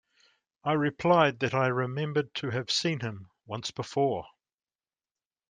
I replied that I remembered to have seen him once before.